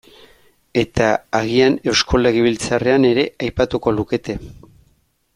Eta agian Eusko Legebiltzarrean ere aipatuko lukete.